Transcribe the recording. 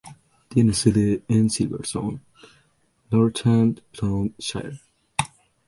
Tiene sede en Silverstone, Northamptonshire.